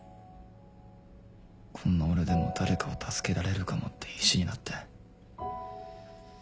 こんな俺でも誰かを助けられるかもって必死になって。